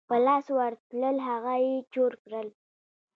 په لاس ورتلل هغه یې چور کړل.